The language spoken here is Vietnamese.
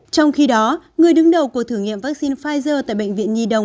trong khi đó người đứng đầu của thử nghiệm vaccine pfizer tại bệnh viện nhi đồng